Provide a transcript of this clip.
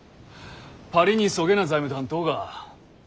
パリにそげな財務担当が。